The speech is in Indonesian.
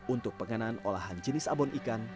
untuk penganan olahan jenis abon ikan